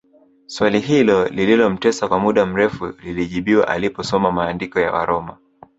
Swali hilo lililomtesa kwa muda mrefu lilijibiwa aliposoma maandiko ya Waroma